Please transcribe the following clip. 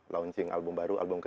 launching album baru album ke sebelas